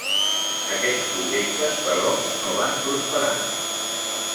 Aquests projectes, però, no van prosperar.